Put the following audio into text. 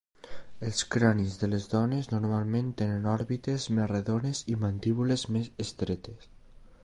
Els cranis de les dones normalment tenen òrbites més rodones i mandíbules més estretes.